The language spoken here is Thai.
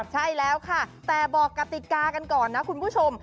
ใช่แล้วค่ะแต่บอกกติกากันก่อนนะคุณผู้ชม